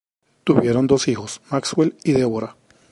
Tuvieron dos hijos, Maxwell y Deborah.